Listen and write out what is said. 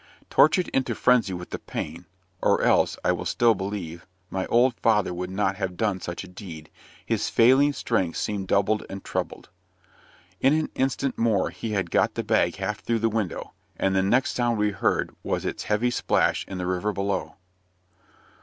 Tortured into frenzy with the pain or else, I will still believe, my old father would not have done such a deed his failing strength seemed doubled and trebled. In an instant more he had got the bag half through the window, and the next sound we heard was its heavy splash in the river below.